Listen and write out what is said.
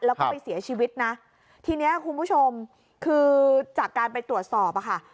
แล้วก็ไปเสียชีวิตนะทีเนี้ยคุณผู้ชมคือจากการไปตรวจสอบอะค่ะ